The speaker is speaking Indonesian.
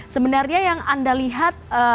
sebenarnya yang anda lihat